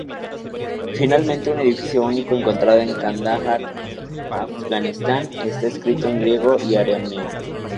Finalmente, un edicto único encontrado en Kandahar, Afganistán está escrito en griego y arameo.